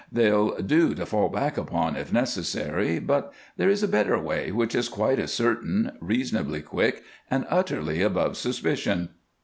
They'll do to fall back upon if necessary, but there is a better way which is quite as certain, reasonably quick, and utterly above suspicion."